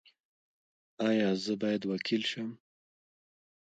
ایا زه باید وکیل شم؟